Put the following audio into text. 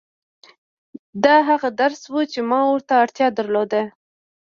دا هغه درس و چې ما ورته اړتيا درلوده.